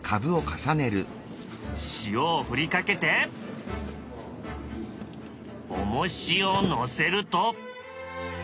塩を振りかけておもしを載せると。